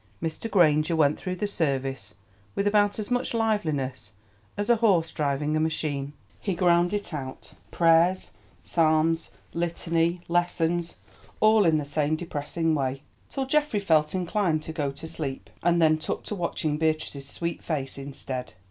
Mr. Granger went through the service with about as much liveliness as a horse driving a machine. He ground it out, prayers, psalms, litany, lessons, all in the same depressing way, till Geoffrey felt inclined to go to sleep, and then took to watching Beatrice's sweet face instead.